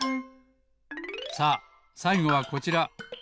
さあさいごはこちら。